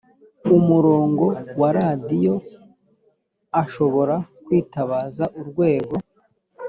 umurongo wa radiyo ashobora kwitabaza urwego